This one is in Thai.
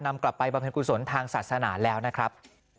นำกลับไปบรรเวณกุศลทางศาสนาแล้วนะครับ